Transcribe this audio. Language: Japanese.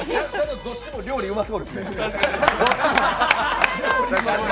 どっちも料理、うまそうですね。